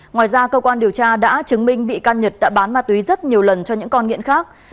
ngoài ra cơ quan điều tra đã chứng minh bị can nhật đã bán ma túy rất nhiều lần cho những con nghiện khác